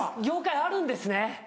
業界あるんですね